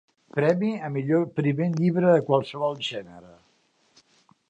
Premi a millor primer llibre de qualsevol gènere.